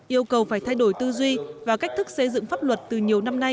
yêu cầu phải thay đổi tư duy và cách thức xây dựng pháp luật từ nhiều năm nay